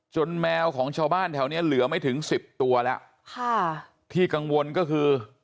แมวของชาวบ้านแถวเนี้ยเหลือไม่ถึงสิบตัวแล้วค่ะที่กังวลก็คือ